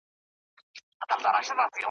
پلار نیکه او ورنیکه مي ټول ښکاریان وه ,